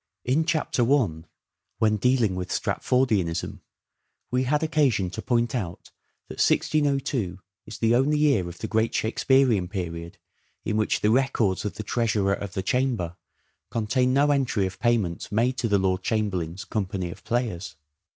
In Chapter I, when dealing with Stratfordianism, we had occasion to point out that 1602 is the only year of the great Shakespearean period in which the records of the Treasurer of the Chamber contain no entry of payments made to the Lord Chamberlain's company of players.